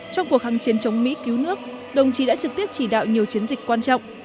trong cuộc kháng chiến chống mỹ cứu nước đồng chí đã trực tiếp chỉ đạo nhiều chiến dịch quan trọng